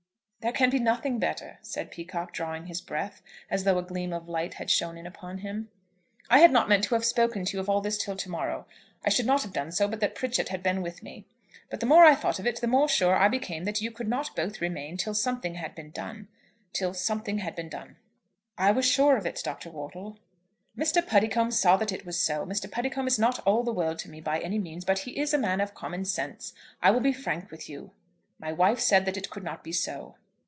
"There can be nothing better," said Peacocke drawing his breath, as though a gleam of light had shone in upon him. "I had not meant to have spoken to you of this till to morrow. I should not have done so, but that Pritchett had been with me. But the more I thought of it, the more sure I became that you could not both remain, till something had been done; till something had been done." "I was sure of it, Dr. Wortle." "Mr. Puddicombe saw that it was so. Mr. Puddicombe is not all the world to me by any means, but he is a man of common sense. I will be frank with you. My wife said that it could not be so."